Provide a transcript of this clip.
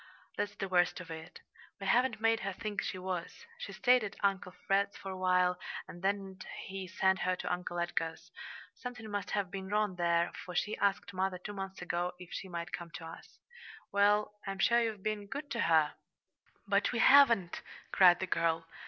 "That's the worst of it. We haven't made her think she was. She stayed at Uncle Fred's for a while, and then he sent her to Uncle Edgar's. Something must have been wrong there, for she asked mother two months ago if she might come to us." "Well, I'm sure you've been good to her." "But we haven't!" cried the girl.